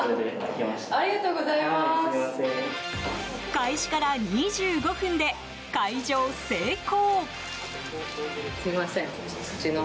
開始から２５分で開錠成功。